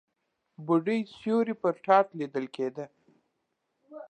بوډۍ سيوری پر تاټ ليدل کېده.